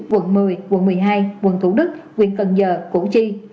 quận một mươi quận một mươi hai quận thủ đức huyện cần giờ củ chi